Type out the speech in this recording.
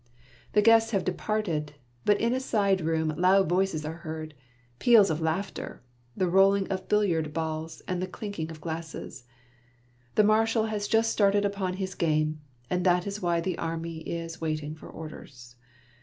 The guests have departed, but in a side room loud voices are heard, peals of laughter, the rolling of billiard balls, and the clinking of glasses. The Marshal has just started upon his game, and that is why the army is waiting for orders.